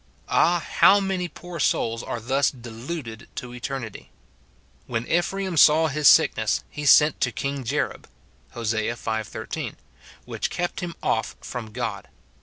Ah ! how many poor souls are thus de luded to eternity !" When Ephraim saw his sickness, he sent to king Jareb," Hos. v. 13; which kept him off from God.